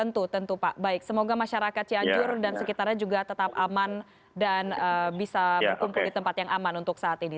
tentu tentu pak baik semoga masyarakat cianjur dan sekitarnya juga tetap aman dan bisa berkumpul di tempat yang aman untuk saat ini